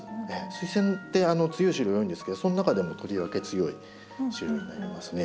スイセンって強い種類多いんですけどその中でもとりわけ強い種類になりますね。